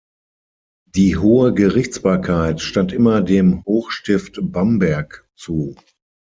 Die hohe Gerichtsbarkeit stand immer dem Hochstift Bamberg zu.